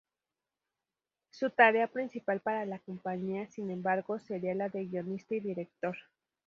Su tarea principal para la compañía, sin embargo, sería la de guionista y director.